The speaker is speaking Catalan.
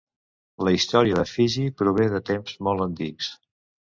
La Història de Fiji prové de temps molt antics.